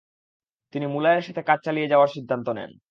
তিনি মুলারের সাথে কাজ চালিয়ে যাওয়ার সিদ্ধান্ত নেন।